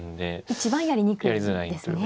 一番やりにくいんですね。